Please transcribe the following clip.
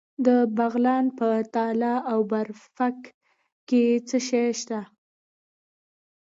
د بغلان په تاله او برفک کې څه شی شته؟